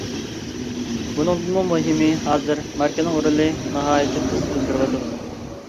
بۇنىڭدىنمۇ مۇھىمى، ھازىر ماركىنىڭ رولى ناھايىتى تېز ئۆزگىرىۋاتىدۇ.